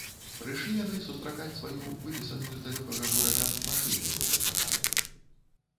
Прыйшлі яны сустракаць сваю, выпісаную з далёкага горада, машыну доўгачаканую.